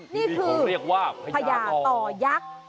นี่คือพญาต่อยักษ์